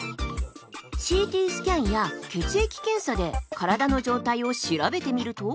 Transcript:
ＣＴスキャンや血液検査で体の状態を調べてみると。